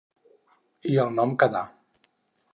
I el nom quedà.